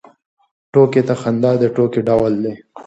ټوکې ته خندا د ټوکې ډول دی.